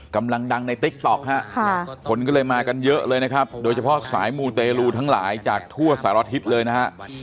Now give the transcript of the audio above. กำลังดังในติ๊กต๊อกฮะคนก็เลยมากันเยอะเลยนะครับโดยเฉพาะสายมูเตรลูทั้งหลายจากทั่วสารทิศเลยนะฮะ